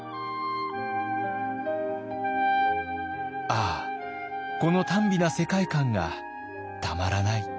「ああこのたん美な世界観がたまらない。